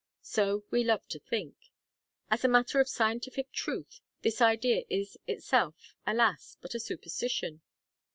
So we love to think. As a matter of scientific truth, this idea is itself, alas! but a superstition.